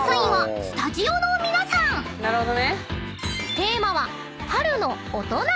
［テーマは］